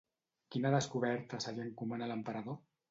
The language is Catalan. Quina descoberta se li encomana a l'emperador?